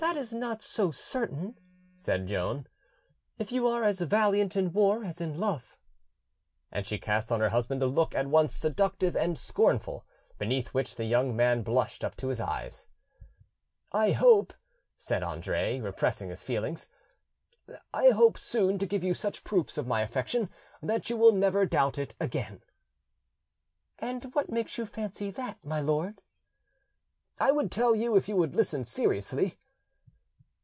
"That is not so certain," said Joan, "if you are as valiant in war as in love." And she cast on her husband a look at once seductive and scornful, beneath which the young man blushed up to his eyes. "I hope," said Andre, repressing his feelings, "I hope soon to give you such proofs of my affection that you will never doubt it again." "And what makes you fancy that, my lord?" "I would tell you, if you would listen seriously."